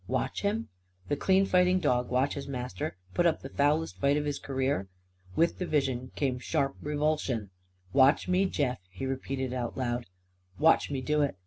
Watch him? The clean fighting dog watch his master put up the foulest fight of his career? With the vision came sharp revulsion. "Watch me, Jeff!" he repeated aloud. "Watch me do it!